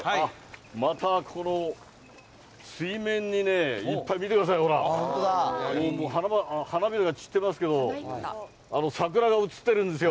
またこの、水面にね、いっぱい見てください、ほら、花びらが散ってますけど、桜が映ってるんですよ。